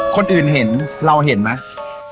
คนอื่นเห็นเราเห็นไหม